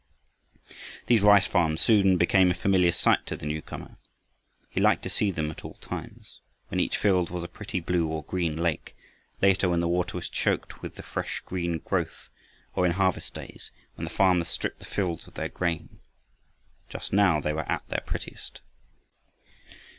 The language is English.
These rice farms soon became a familiar sight to the newcomer. He liked to see them at all times when each field was a pretty blue or green lake, later when the water was choked with the fresh green growth, or in harvest days, when the farmers stripped the fields of their grain. Just now they were at their prettiest.